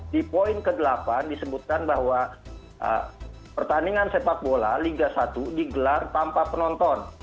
di poin ke delapan disebutkan bahwa pertandingan sepak bola liga satu digelar tanpa penonton